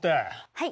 はい。